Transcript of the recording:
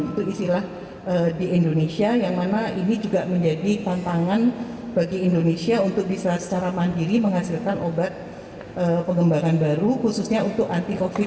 itu istilah di indonesia yang mana ini juga menjadi tantangan bagi indonesia untuk bisa secara mandiri menghasilkan obat pengembangan baru khususnya untuk anti covid